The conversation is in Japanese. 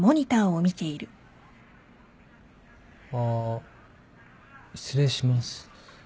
あー失礼します。